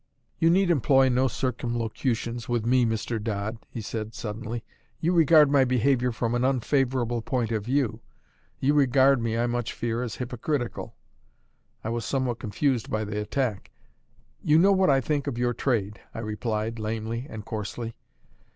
"You need employ no circumlocutions with me, Mr. Dodd," he said suddenly. "You regard my behaviour from an unfavourable point of view: you regard me, I much fear, as hypocritical." I was somewhat confused by the attack. "You know what I think of your trade," I replied, lamely and coarsely.